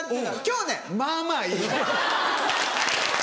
今日ねまぁまぁいい。